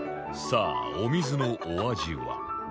さあお水のお味は？